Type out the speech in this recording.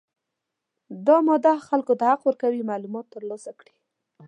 دا ماده خلکو ته حق ورکوي معلومات ترلاسه کړي.